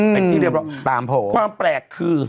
เป็นที่เรียบร้อยความแปลกคือ